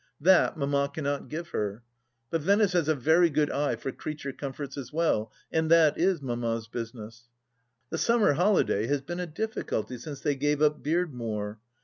That Mamma cannot give her. But Venice has a very good eye for creature comforts as well, and that is Mamma's business. The summer holiday has been a difficulty since they gave up Beardmore.